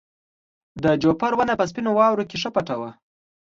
د جوپر ونه په سپینو واورو کې ښه پټه وه.